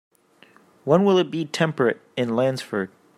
When will it be temperate in Lansford